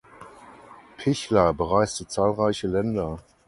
Pichler bereiste zahlreiche Länder.